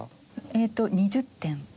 ええと２０点。